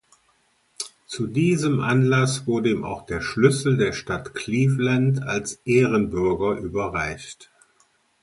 Zu diesem Anlass wurde ihm auch der „Schlüssel der Stadt Cleveland“ als Ehrenbürger überreicht.